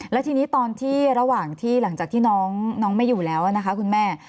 แล้วทีนี้ตอนที่ระหว่างที่หลังจากที่น้องไม่อยู่แล้วนะคะคุณแม่